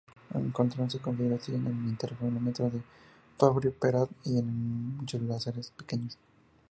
Encontrado esta configuración en el interferómetro de Fabry-Perot, y en muchos láseres pequeños.